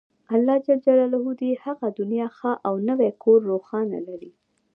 الله ﷻ دې يې هغه دنيا ښه او نوی کور روښانه لري